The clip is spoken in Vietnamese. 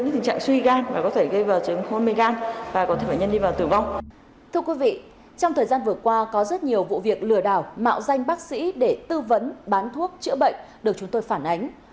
thưa quý vị trong thời gian vừa qua có rất nhiều vụ việc lừa đảo mạo danh bác sĩ để tư vấn bán thuốc chữa bệnh được chúng tôi phản ánh